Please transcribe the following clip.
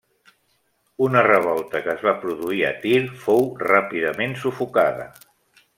Una revolta que es va produir a Tir fou ràpidament sufocada.